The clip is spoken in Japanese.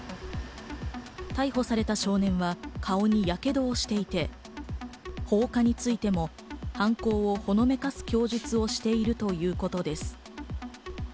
逮捕された少年は顔にヤケドをしていて、放火についても犯行をほのめかす供述をしているということです。